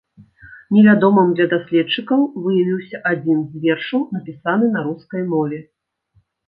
Невядомым для даследчыкаў выявіўся адзін з вершаў, напісаны на рускай мове.